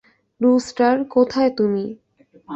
Rooster, কোথায় তুমি?